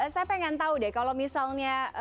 saya pengen tahu deh kalau misalnya